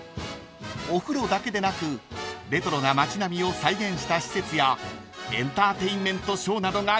［お風呂だけでなくレトロな街並みを再現した施設やエンターテインメントショーなどが充実］